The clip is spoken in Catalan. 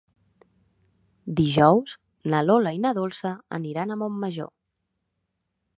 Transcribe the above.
Dijous na Lola i na Dolça aniran a Montmajor.